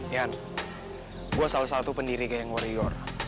yan gue salah satu pendiri geng wario